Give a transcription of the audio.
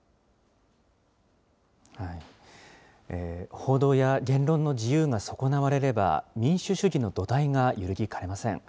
報道や言論の自由が損なわれれば、民主主義の土台が揺るぎかねません。